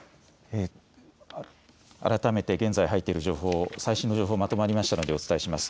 改めて現在、入っている情報、最新の情報まとまりましたのでお伝えします。